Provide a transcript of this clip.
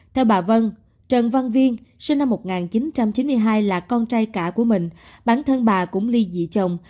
theo bà vân trần văn viên sinh năm một nghìn chín trăm chín mươi hai là con trai cả của mình bản thân bà cũng ly dị chồng